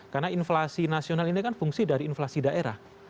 karena inflasi nasional ini kan fungsi dari inflasi daerah